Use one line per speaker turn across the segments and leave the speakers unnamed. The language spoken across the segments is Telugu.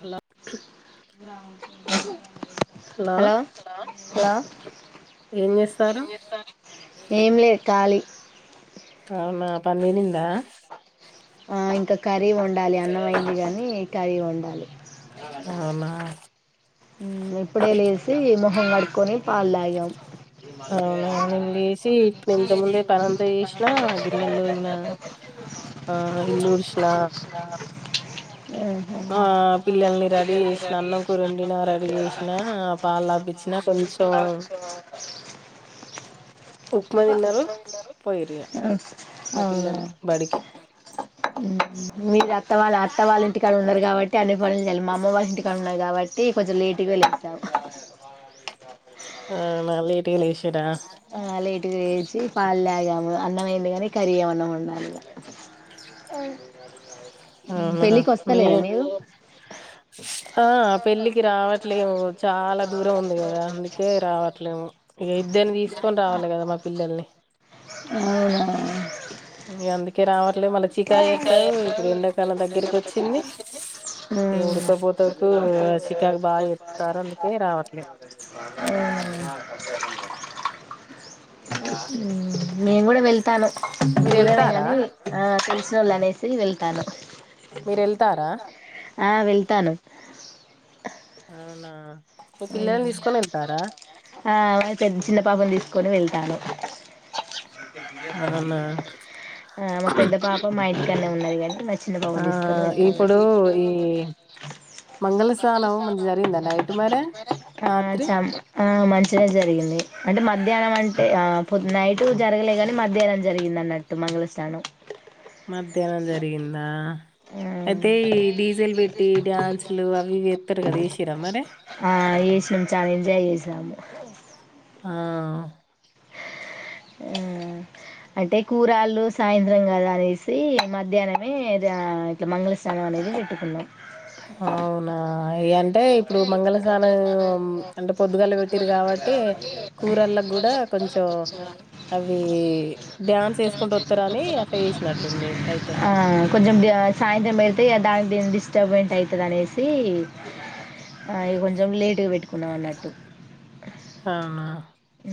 హలో
హలో హలో
ఏం చేస్తారు
ఏం లే ఖాలీ
అవునా పనిలిందా
ఇంకా కర్రీ వండాలి. అన్నమైంది కానీ, కర్రీ వండాలి.
అవునా
ఉ ఇప్పుడే లేసి మొ మొగం కడుక్కొని పాల్ తాగాం
అవునా నేను లేసి ఇప్పుడు ఇంత ముందే పనంతా చేసినా గిన్నెలు తోమిన ఆ ఇల్లు ఊడ్చిన ఆ పిల్లల్ని రెడీ చేసిన అన్నం కూర రెడీ చేసినా పాలు తాపిచ్చినా కొంచెం
ఇంకా ఉప్మా తిన్నారు
పోయిర్రు ఇగ మా పిల్లలు బడికి
మీరు అత్త వాళ్ళ అత్త వాళ్ళ ఇంటికాడ ఉన్నరు కాబట్టి అన్ని పనులు చేయాలి. మా అమ్మ వాళ్ళ ఇంటికాని ఉన్నారు కాబట్టి. ఈ పొద్దు లేట్గా లేసావ్
అవునా లేటుగా లేసింరా
ఆ లేటుగా లేసి పాలు తాగాము అన్నం అయింది కాని కర్రీ అన్నం వండాలి. అవు
అవునా మీ
మీరు
ఆ పెళ్ళికి రావట్లేము చాలా దూరం ఉంది కదా అందుకే రావట్లేము ఇక ఇద్దని తీస్ కొని రావాలి కదా మా పిల్లల్ని
అవునా
ఇగ అందుకే రావట్లే మళ్ళీ చికాకు చేత్తవు ఇప్పుడు ఎండాకాలం దగ్గరికి వచ్చింది ఇగ ఉడకపోతకు చికాకు బాగా చేత్తారు అందుకే రావట్లే
[unintelligible] నేను కూడా వెళ్తాను.
మీరు
దూరమే
వెళ్తారా
కానీ ఆ తెలుస్ వాళ్ళు అనేసి వెళ్తాను
మీరు వెళ్తారా
ఆ వెళ్తాను
అవునా మీ పిల్లలని తీసుకొని వెళ్తారా
ఆ పేద్ చిన్న పాపని తీసుకొని వెళ్తాను
అవునా
ఆ మ పెద్ద పాప మయి ఇక్కన్నే ఉన్నది గని
ఆ ఇప్పుడు ఈ మంగళస్థానం మంచిగా జరిగిందా నైట్ మరి
ఆ
రాత్రి
చాం ఆ మంచిగానే జరిగింది అంటే మధ్యాహ్నం అంటే పో నైటు జరగలేగాని మధ్యాహ్నం జరిగింది అన్నట్టు మంగళస్నానం
మధ్యాహ్నం జరిగిందా
ఆ
అయితే ఈ డీ జే లు పెట్టి డ్యాన్సులు అవి ఇవి ఏస్తారు కదా ఎస్సింరా మరి
ఆ ఏసిన్రు చాలా ఎంజాయ్ చేసాము
ఆ
అంటే కూరాళ్ళు సాయంత్రం కదా అనేసి మధ్యాహ్నమే దా ఇట్లా మంగళస్నానం అనేది పెట్టుకున్నాం
అవునా ఇగ ఆన్ అంటే ఇప్పుడు మంగళస్నానం అంటే పొద్దుగాల పెట్టిరు కాబట్టి కురాళ్ళకు కూడా కొంచెం అవి డ్యాన్స్ వేసుకుంటా ఓత్తరు అని అట్లా చేసినట్టుంది అయితే
ఆ కొంచెం డ సాయంత్రం పెడితే ఇగ దానికి దీనికి డిస్టర్బంట్ అయితది అనేసి ఆ ఇగ కొంచెం లేటుగా పెట్టుకున్నాం అన్నట్టు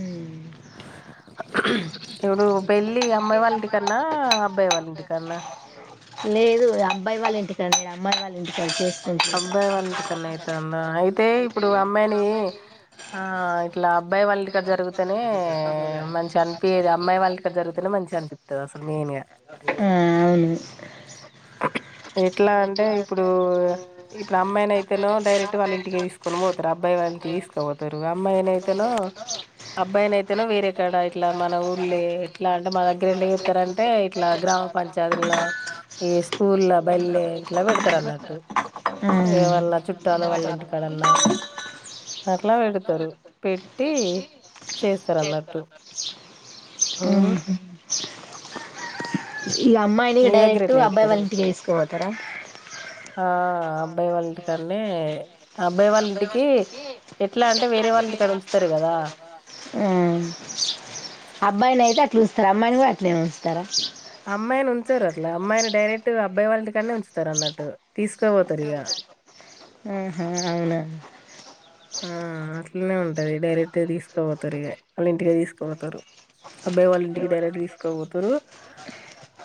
ఉమ్
[inaudible] పెళ్లి అమ్మాయి వాళ్ళ ఇంటికన్నా? అబ్బాయి వాళ్ళ ఇంటికన్నా?
లేదు అబ్బాయి వాళ్ళింటికాన్నే అమ్మాయి వాళ్ళ ఇంటికాడా చేస్
అబ్బాయి వాళ్ళింటికాన్నె అయితందా అయితే ఇప్పుడు అమ్మాయిని ఆ ఇట్లా అబ్బాయి వాళ్ళింటికాడా జరిగితేనే మంచి అనిపియది అమ్మాయి వాళ్ళ ఇంటికాడ జరిగితేనే మంచిగా అనిపిత్తది అసలు మెయిన్ గా
ఆ అవును
ఎట్లా అంటే ఇప్పుడు ఇప్పుడు అమ్మాయిన అయితేనో డైరెక్ట్ వాళ్ళ ఇంటికి తీసుకొని పోతారు అబ్బాయి వాళ్ళంటికి తీసుకోపోతారు అమ్మాయినయితేనో అబ్బాయినయితేనో వేరే కాడ ఇట్లా మన ఊర్లే ఇట్లా అంటే మా దగ్గర ఎట్ల చెతరంటే ఇట్లా గ్రామ పంచాయతీలనో ఈ స్కూల్ల బల్లే ఇట్లా పెడతారు అన్నట్టు
ఆ
ఏవన్నా చుట్టాలు వాళ్ళ ఇంటికాడన్నా అట్లా పెడతారు పెట్టి చేస్తారు అన్నట్టు ఉమ్
ఉహ్
మీ దగ్గర
డైరెక్ట్
ఎట్లా
అబ్బాయి
చేత్తరు
వాళ్ళ ఇంటికి తీసుకపోతారా
ఆ అబ్బాయి వాళ్ళంటి కాన్నే అబ్బాయి వాళ్ళింటికి ఎట్లా అంటే వేరే వాళ్ళింటికాడా ఉంచుతారు కదా
ఆ అబ్బాయిని అయితే అట్లా ఉంచుతరు అమ్మాయిని కూడా అట్లే ఉంచుతరా
అమ్మాయిని ఉంచారు అట్లా అమ్మాయిని డైరెక్ట్ అబ్బాయి వాళ్ళ ఇంటి కాన్నే ఉంచుతారు అన్నట్టు తీసుకు కపోతారు ఇగ
ఆహా అవునా
ఆ అట్లనే ఉంటది డైరె టు తీసుకోపోతారే వాళ్ళ ఇంటికి తీసు పోతారు అబ్బాయి వాళ్ళ ఇంటికి డైరెక్ట్ తీసుకో పోతారు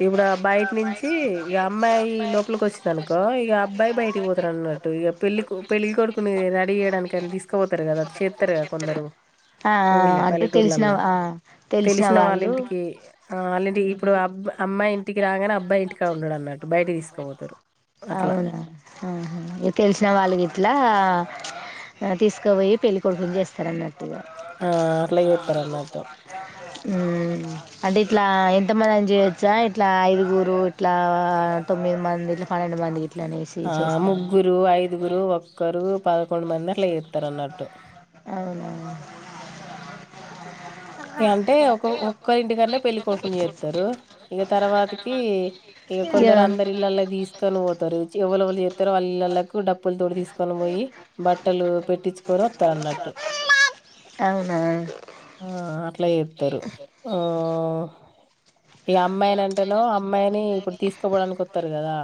ఇప్పుడు బయట నుంచి ఇగ అమ్మాయి లోపలికి వచ్చిందినుకో ఇక అబ్బాయి బయటకి పోతారు అన్నట్టు ఇక పెళ్లి పెళ్లి కొడుకుని రెడీ చేయడానికి కాని తీసుకుపోతారు కదా అది చేస్తారు కద కొందరు
ఆ
ఊళ్లే
అంటే తెలిసిన
పల్లెటూర్లలా
ఆ
తెలిసిన వాళ్ళ ఇంటికి వాళ్ళంటి ఇప్పుడు అబ్బ అమ్మాయి ఇంటికి రాగానే అబ్బాయి ఇంటికి ఉండడు అన్నట్టు బయట తీసుకపోతారు అట్లా
అవున అహా తెలిసిన వాళ్ళకి ఇట్లా తీసుకుపోయి పెళ్ళి కొడుకులు చేస్తారన్నట్ టుగా
ఆ అట్లా చేస్తారు అన్నట్టు
ఊ అంటే ఇట్లా ఎంత మంది అని చేయొచ్చా ఇట్లా ఐదుగురు ఇట్లా తొమ్మిది మంది పన్నెండు మంది ఇట్లా అనేసి
ఆ
చేస్తారా
ముగ్గురు, ఐదుగురు, ఒక్కరు పదకొండు మంది అట్ల చేత్తరన్నట్టు
అవునా
అంటే ఒక ఒక్కరి ఇంటికనే పెళ్లి కొడుకుని చేస్తారు ఇక తర్వాతకి ఇక
ఇగ
కొందరు అందరు ఇల్లలో తీసుకొని పోతారు ఎవలు వలే తర వాళ్ళిళ్ళకు డప్పులు తో తీసుకొని పోయి బట్టలు పెట్టించుకొని వత్తరు అన్నట్టు
అవునా
ఆ అట్లా చేతారు ఆ ఈ అమ్మాయిని అంటేనో అమ్మాయిని ఇప్పుడు తీసుకోవడానికి వత్తరు కదా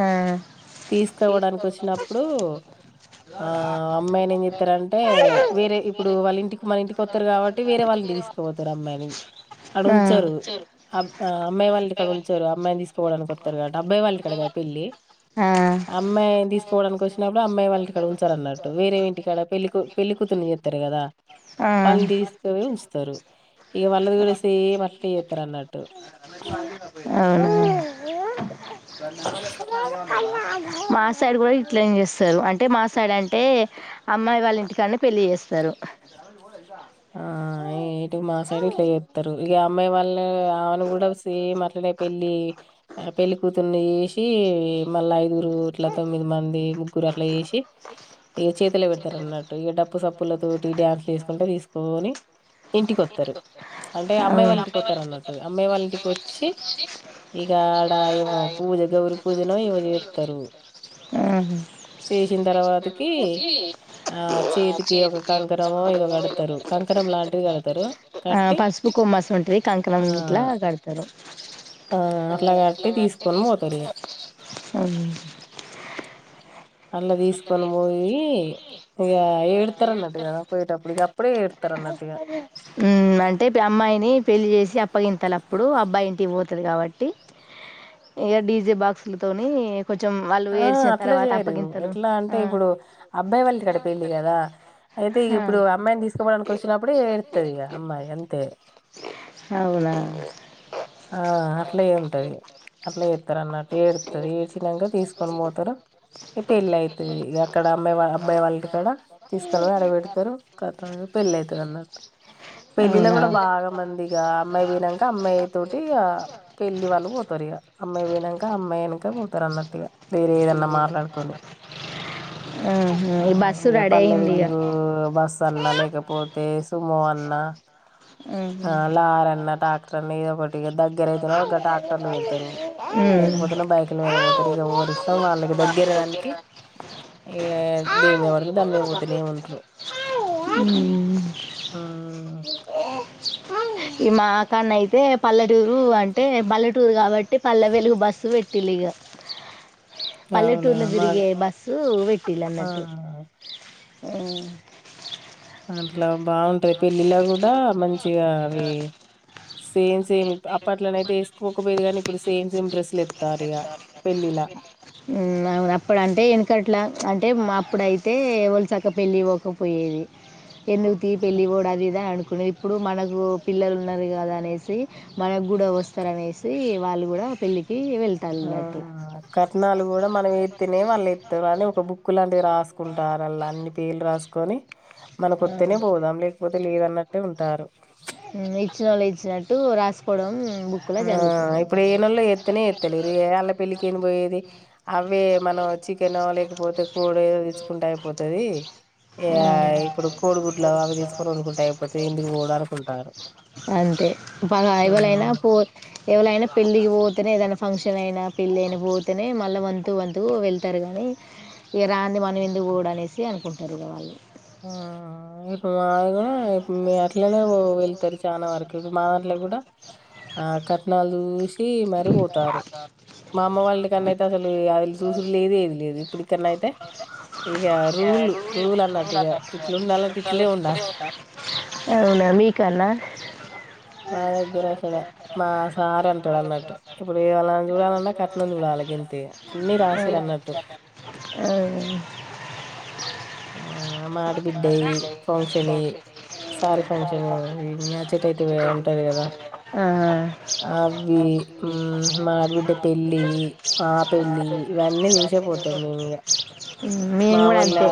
ఆ
తీసుకోవడానికి వచ్చినప్పుడు ఆ అమ్మాయిని ఏం చెతారంటే వేరే ఇప్పుడు వాళ్ళ ఇంటికి మన ఇంటికి వత్తరు కాబట్టి వేరే వాళ్ళు తీసుకుపోతారు అమ్మాయిని అడ ఉంచరు
ఆ
ఆ అమ్మాయి వాళ్ళ ఇంటికాడ ఉంచరు అమ్మాయిని తీసుకోవడానికి వస్తారు కాబట్టి అబ్బాయి వాళ్ళ ఇంటికాడ కదా పెళ్లి అమ్మాయిని తీసుకోవడానికి వస్ అప్పుడు అమ్మాయి వాళ్ళ ఇక్కడ ఉంచరన్నట్టు వేరే ఇంటికాడ పెళ్ళి పెళ్ళి కూతురుని చెతరు కదా
ఆ
వాళ్ళని తీసుకపోయి ఉంచుతారు ఇగ వాళ్లు కూడా సేమ్ అట్లా చేస్తారు అన్నట్టు
ఆ
ఆ
మా సైడ్ కూడా ఇట్లనే చేస్తారు అంటే మా సైడ్ అంటే అమ్మాయి వాళ్ళ ఇంటికాన్నే పెళ్ళి చేస్తారు
ఆ ఇటు మా సైడు ఇట్లా చేస్తారు ఇక అమ్మాయి వాళ్ళ ఆమెను కూడా సేమ్ అట్లనే పెళ్ళి పెళ్లి కూతుర్ని చేసి మళ్ళ ఐదుగురు ఇట్లా తొమ్మిది మంది ముగ్గురు అట్లా చేసి ఇక చేతులో పెడతారు అన్నట్టు ఇక డప్పు సప్పులతో డ్యాన్స్లు వేసుకుంట తీసుకు పోని ఇంటికొత్తరు అంటే అమ్మాయి వాళ్ళ
అవును
ఇంటికి వస్తారు అన్నట్టు అమ్మాయి వాళ్ళ ఇంటికి వచ్చి ఇగ ఆడ ఏమో పూజ గౌరి పూజను ఇవ చేస్తారు చేసిన తర్వాతకి ఆ చేతికి ఒక కంకనమో ఇది కడతారు కంకరం లాంటివి వెడతారు
ఆ పసుపు కొమ్మాస ఉంటది కంకణం
ఆ
ఇట్లా కడతారు
ఆ అట్లా కట్టి తీసుకొని పోతారిగ అల్లా తీసు కొన పోయి ఇగ ఏడుతారు అన్నట్టు కదా పోయేటప్పుడు ఇగ అప్పుడే ఏడుతారు అన్నట్టుగా
ఉమ్ అంటే అమ్మాయిని పెళ్ళలి చేసి అప్ప గంతాల అప్పుడు అబ్బాయి ఇంటికి పోతుంది కాబట్టి ఇక డీజే బాక్సులతోని కొంచెం వాళ్ళు
ఆ
ఏడ్చిన
అట్లా
తర్వాత
చేయరు
అప్పగింతలు
ఎట్లా అంటే
ఆ
ఇప్పుడు అబ్బాయి వాళ్ళక్కడ పెళ్లి కదా అయితే
ఆ
ఇప్పుడు అమ్మాయిని తీసుకోవడానికి వచ్చినప్పుడు ఏడుస్తుంది అమ్మాయి అంతే
అవునా
ఆ అట్లా ఏ ఉంటది అట్లా ఏస్తారు అన్నట్టు ఏడుతుంది ఏడ్చినాక తీసుకొని పోతారు ఈ పెళ్లి అయితుది అక్కడ అమ్మాయి అబ్బాయి వాళ్ళ కూడా తీసుకొని పో అడ పెడతారు క పెళ్లి అవుతుంది అన్నట్టు పెళ్ళిలో
అవునా
కూడా బాగా మందిగా అమ్మాయి పోయినాకా అమ్మాయియి ఇ పెళ్ళలి వాళ్ళు పోతారు ఇ అమ్మాయి పోనాక అమ్మాయిక పోతారు అన్నట్టు ఇగా వేరే ఏదన్నా మాట్లాడుకని
ఆహా ఈ బస్సు
ఇ
రెడీ
పల్లె
అయింది
వెల్లి బస్ అన్నా లేకపోతే పోవల్ నా
ఇగ
అలా రన్న ట్రాక్టర్ నీ పట్టు ఇ దగ్గర అయితే ఒక ట్రాక్టర్లు పెడతారు లేకపోతేన్న బైక్ల మీద పోతారు ఇక ఎవరిష్టం వాళ్ళకి దగ్గర దానికి ఇగ దీని మీద పడుత దాని మీద పోతేనే ఉంటారు హూ ఉ
ఈ మాకన్న అయితే పల్లెటూరు అంటే పల్లెటూరు కాబట్టి పల్లె వెలుగు బస్సు పెట్టిల్లు ఇగ
అవునా
పల్లెటూర్లో
మా
తిరిగే బస్సు పెట్టిల
ఆ
అన్నట్టు ఉ
ఇంట్లో బాగు టు పెళ్ళిలో కూడా మంచిగా అవి సేమ్ సేమ్ అప్పట్లోనయితే వేసుకోకపోయేది గాని ఇప్పుడు సేమ్ సేమ్ డ్రెస్సులు ఎత్తారు ఇగ పెళ్ళిలా
ఉమ్ అవును అప్పుడ అంటే వెనకట్లా అంటే మా ఇప్పుడైతే వలసక పెళ్ళికి పోకపోయేది ఎందు తీ పెళ్లి పోడ అదిఇదా అను ఇప్పుడు మనకు పిల్లలు ఉన్నారు కదా అనేసి మనకు కూడా వస్తార అనేసి వాళ్ళు కూడా పెళ్ళికి వెళ్తారు
ఆ
అన్నట్టు
కట్నాలు కూడా మనం ఏతేనే వాళ్ళు ఎత్తారు అని ఒక బుక్కు లాంటివి రాసుకుంటారు అల్లా అన్ని పేర్లు రాస కొనీ మనకొత్తనే పోదాం లేకపోతే లేదన్నట్టే ఉంటు టారు
ఉమ్ ఇచ్చినళ్ళు ఇచ్చినట్టు రాసుకోవడం బుక్లో
ఆ
జరుగుతుంది
ఇప్పుడు ఏనెల్లో ఎత్తనే ఎత్తలేరు అల్ల పెళ్లికి ఏన పోయేది అవే మనం చికెన్ లేకపోతే కోడే ఏదో తీసుకుంటే అయిపోతది ఆ ఇప్పుడు కోడిగుడ్లో అవి తీసుకొని వండుకుంటే అయిపోతుంది ఎందుకు పోడు అను
అంతే బాగా అయవాలయినా
ఉమ్.
పో ఎవలైనా పెళ్ళికి పోతేనే ఏధైనా ఫంక్షన్ అయినా పెళ్ళి అయినా పోతేనే మళ్ళీ వంతు వంతుకు వెళ్తారు కానీ ఇక రాంది మనం ఎందుకు పోడు అనేసి అనుకుంటారు వాళ్ళు
ఆ మాది కూడా ఇ అట్లనే పో చాన వరకు ఇపూ మా దాంట్లో కూడా ఆ కట్నాలు చూసి మరిపోతారు మా అమ్మ వాళ్ళ కన్నా అయితే అసలు అది చూసురు లేదు ఏది లేదు ఇప్పుడికన్నా అయితే ఇక రూల్ రూల్ అన్నట్టు. ఇట్లు ఉండాలంటే ఇట్లే ఉండాలి
అవునా మీ కన్నా
మా దగ్గర అసలు మా సార్ టడన్నా చూడాలి గింతే అన్ని
అవును
రాసిరు అన్నట్టు ఆ మా ఆడబిడ్డయి ఫంక్షనీ సారీ ఫంక్షన్ మ్యాచట్ అయితే అంటది కదా
ఆ.
ఆవి. ఉ మా ఆడబిడ్డ పెళ్లి మా పెళ్లి ఇవన్నీ చూసే పోతాం మేము ఇక.
మేము కూడా అంతె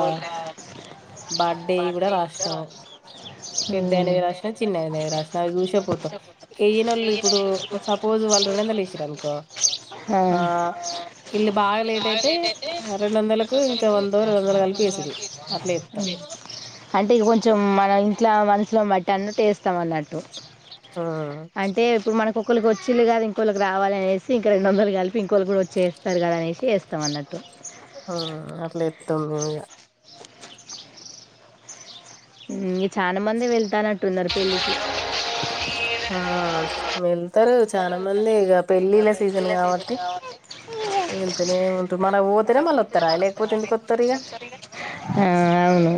బర్త్డే కూడా రాసినాం
ఆ
పెద్దయిైనది రాసిన చిన్న అనది రాసిన అవి చూసేపోతాం ఏయ నోళ్ళు ఇప్పుడు సపోజ రోజు వాళ్ళు రెండు వందలు వేసిారు అనుకో ఆ ఇల్లు బాగా లేట్ అయితే రెండు వందలకు ఇంకా వంద రెండు వందలు కలిపి వేసడు అట్లా ఎత
ట్లా మనుషులామ్ అన్నట్టు వేన్నేస్తాం అన్నట్టు.
ఆ
కుక్కలు కో చిల్లిగాదు ఇంకోకళకి రావాల అనేసి ఇంక రెండు వందలు కలిపి ఇంకోకళ కూడా వచ్చేస్తారుగద అనేసిేస్తాం అన్నటు.
ఆ అట్లే ఎత్తం ఈగ
ఇంక చాలా మంది వెళ్తానట్టున్నారు పెళ్ళికి
ఆ వేల్ ఇస్తారు చాలా మంది ఇగా
ఆ
వెళ్తేనే ఉంటారు మన పోతేనే మళ్ళీ వస్తారా లేకపోతే ఎందుకు వస్తారు ఇక
అవును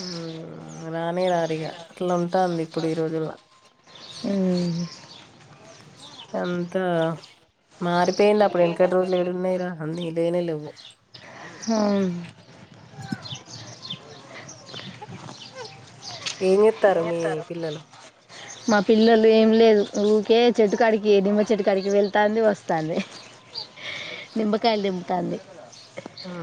ఉమ్, రానే రారీగా అట్లా ఉంటాంది ఇప్పుడు ఈ రోజుల్లో
ఉ
ఎంత మారిపోయింది అప్పుడు ఎనకటి రోజులు ఏడున్నాయిరా అంనీ లేనే లేవు. ఆ
అ
ఏం చెతారు మీ పిల్లలు
మా పిల్లలు ఏం లేదు ఊరికే చెటుకాడికి నిమ్మ చెట్టుకాడికి వెళ్తంది వస్తాంది నిమ్బకాయలు దింపుతంది.
ఆ